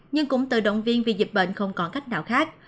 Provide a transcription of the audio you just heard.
nhưng cũng tự động viên vì dịch bệnh không còn cách nào khác